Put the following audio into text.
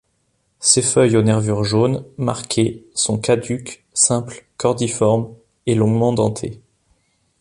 Ses feuilles aux nervures jaunes, marquées, sont caduques, simples, cordiformes et longuement dentées.